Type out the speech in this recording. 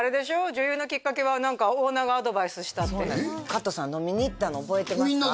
女優のきっかけは何かオーナーがアドバイスしたってそうなんですかとさん飲みに行ったの覚えてますか？